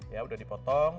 ya udah dipotong